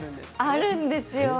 あるんですよ。